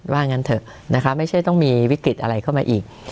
ว่างั้นเถอะนะคะไม่ใช่ต้องมีวิกฤตอะไรเข้ามาอีก